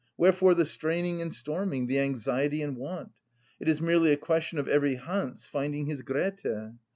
Wherefore the straining and storming, the anxiety and want? It is merely a question of every Hans finding his Grethe.